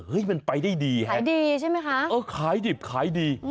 มันไปได้ดีฮะขายดีใช่ไหมคะเออขายดิบขายดี